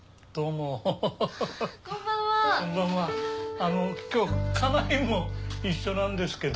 あの今日家内も一緒なんですけど。